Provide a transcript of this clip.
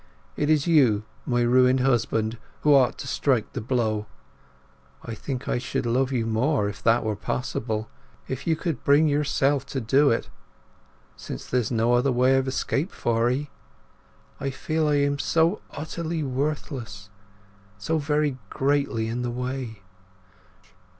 It is you, my ruined husband, who ought to strike the blow. I think I should love you more, if that were possible, if you could bring yourself to do it, since there's no other way of escape for 'ee. I feel I am so utterly worthless! So very greatly in the way!"